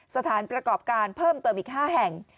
สถานประกอบการเพิ่มเติมอีก๕แห่ง